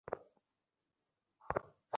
তারা তাঁর নির্দেশ প্রচার করল।